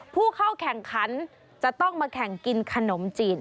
ผู้เข้าแข่งขันจะต้องมาแข่งกินขนมจีน